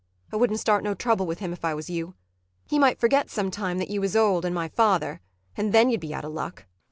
I wouldn't start no trouble with him if I was you. He might forget some time that you was old and my father and then you'd be out of luck.